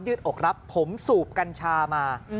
ดอกรับผมสูบกัญชามา